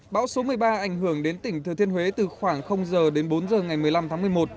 bão số một mươi ba ảnh hưởng đến tỉnh thừa thiên huế từ khoảng giờ đến bốn h ngày một mươi năm tháng một mươi một